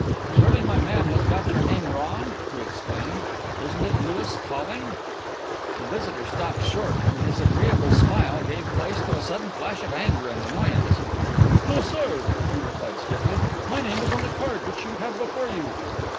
"Surely my man has got your name wrong?" he exclaimed. "Isn't it Louis Calling?" The visitor stopped short and his agreeable smile gave place to a sudden flash of anger or annoyance. "No, sir," he replied stiffly. "My name is on the card which you have before you."